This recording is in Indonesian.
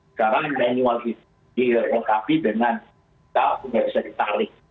sekarang manual itu dirokapi dengan kita punya tarikh